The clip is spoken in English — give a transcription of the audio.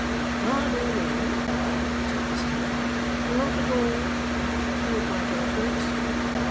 'Pardon me,' returned Mrs Wilfer. 'Not at all. Two of my daughters.